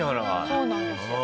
そうなんですよ。